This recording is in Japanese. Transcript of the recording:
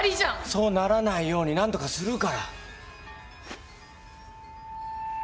そうならないように何とかするから。